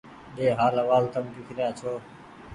ۮي حآل حوال تم ڪيکريآن ڇوٚنٚ